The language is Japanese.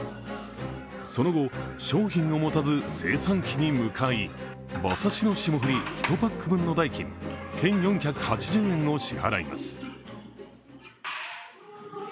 その後、商品を持たず精算機に向かい、馬刺しの霜降り１パック分の代金、１４８０円を支払います。